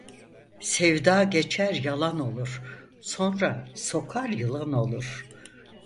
Sevda geçer yalan olur, sonra sokar yılan olur.